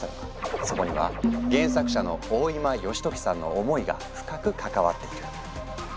そこには原作者の大今良時さんの思いが深く関わっている。